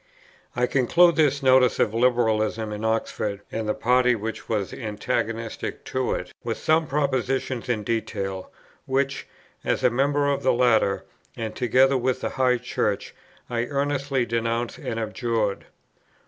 _ I conclude this notice of Liberalism in Oxford, and the party which was antagonistic to it, with some propositions in detail, which, as a member of the latter, and together with the High Church, I earnestly denounced and abjured.